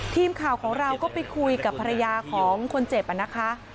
ทีมข่าวของเราก็ไปคุยกับภรรยาของคนเจ็บนะคะ